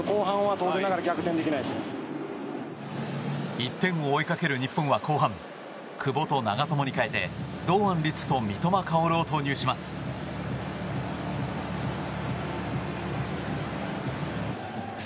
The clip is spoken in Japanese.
１点を追いかける日本は後半久保と長友に代えて堂安律と三笘薫を投入します。